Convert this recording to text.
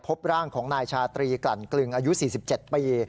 พบร่างของนายชาตรีกรั่นกลึงอายุสี่สิบเจ็ดปี